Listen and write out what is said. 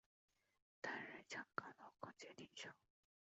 担任香港劳工界领袖。